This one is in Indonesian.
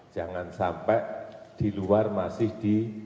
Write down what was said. jangan sampai di luar masih di tribut drowned